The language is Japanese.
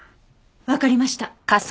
わかりました。